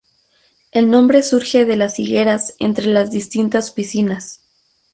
El nombre surge de las higueras entre las distintas piscinas.